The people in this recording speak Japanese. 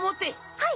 はい！